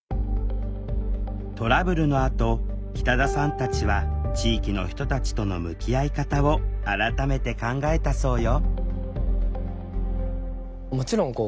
トラブルのあと北田さんたちは地域の人たちとの向き合い方を改めて考えたそうよ